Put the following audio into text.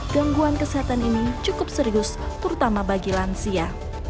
gangguan kesehatan ini cukup serius terutama bagi lansia